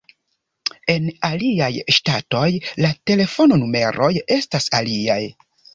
En aliaj ŝtatoj la telefonnumeroj estas aliaj.